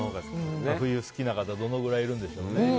冬、好きな方どのくらいいるんでしょうね。